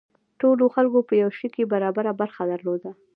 ټولو خلکو په یو شي کې برابره برخه درلوده.